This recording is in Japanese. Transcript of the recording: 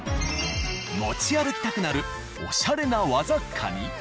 持ち歩きたくなるおしゃれな和雑貨に。